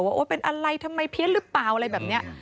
ว่าเป็นอะไรทำไมเพี้ยนหรือเปล่าอะไรแบบนี้